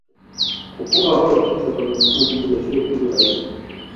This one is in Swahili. kufunga mabao tisa kwenye msimu mmoja sio kitu rahisi